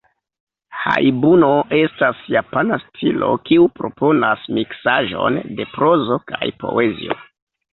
Hajbuno estas japana stilo kiu proponas miksaĵon de prozo kaj poezio.